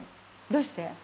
どうして？